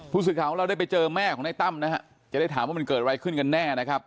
ผู้สื่อข่าวของเราได้ไปเจอแม่ของนายตั้มนะฮะจะได้ถามว่ามันเกิดอะไรขึ้นกันแน่นะครับ